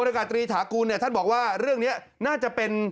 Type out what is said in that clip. อากาศตรีถากูลเนี่ยท่านบอกว่าเรื่องนี้น่าจะเป็น